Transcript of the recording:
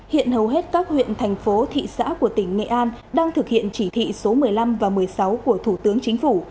hiện hầu hết các huyện thành phố thị xã của tỉnh nghệ an đang thực hiện chỉ thị số một mươi năm và một mươi sáu của thủ tướng chính phủ